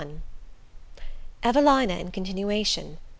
EVELINA IN CONTINUATION.